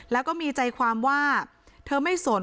แล้วก็มีใจความว่าเธอไม่สน